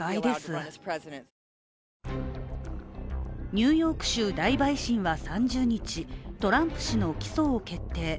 ニューヨーク州大陪審は３０日、トランプ氏の起訴を決定。